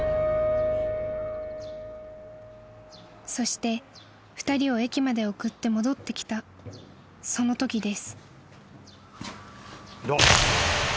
［そして２人を駅まで送って戻ってきたそのときです］